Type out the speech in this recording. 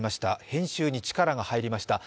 編集に力が入りました。